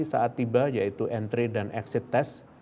saat tiba yaitu entry dan exit test